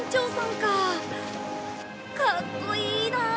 かっこいいなあ！